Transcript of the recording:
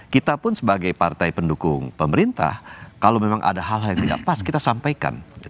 kita pun sebagai partai pendukung pemerintah kalau memang ada hal hal yang tidak pas kita sampaikan